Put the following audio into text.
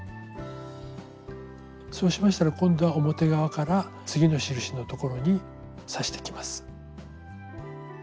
そうしましたら今度は表側から次の印のところに刺していきます。